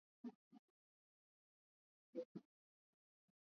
Ronaldo alifunga mara mbili mwisho na alipokea kiatu cha dhahabu